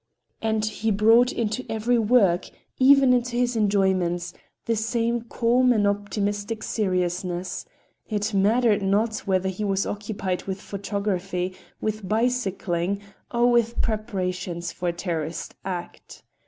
And he brought into every work, even into his enjoyments, the same calm and optimistic seriousness,—it mattered not whether he was occupied with photography, with bicycling or with preparations for a terroristic act.